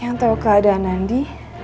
yang tahu keadaan nandi